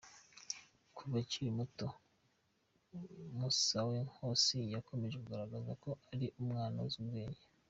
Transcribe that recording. Kuva akiri muto, Musawenkosi yakomeje kugaragaza ko ari umwana uzi ubwenge.